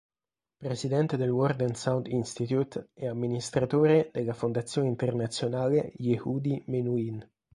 Presidente del Word and Sound Institute è Amministratore dalla Fondazione Internazionale Yehudi Menuhin.